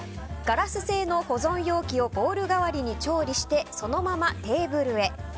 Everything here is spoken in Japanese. ガラス製の保存容器をボウル代わりに調理してそのままテーブルへ。